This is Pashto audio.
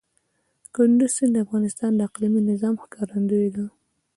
کندز سیند د افغانستان د اقلیمي نظام ښکارندوی ده.